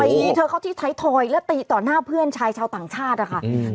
เธอเข้าที่ไทยทอยและตีต่อหน้าเพื่อนชายชาวต่างชาตินะคะ